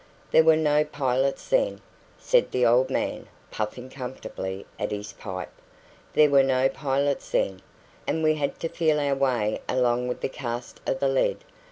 "There were no pilots then," said the old man, puffing comfortably at his pipe "there were no pilots then, and we had to feel our way along with the cast 'o the lead.